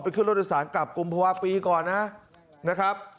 ไปขึ้นโรทธิสันกลับกุมภวะปีก่อนนะครับ